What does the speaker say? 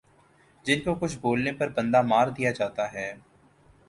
جن کو کچھ بولنے پر بندہ مار دیا جاتا ھے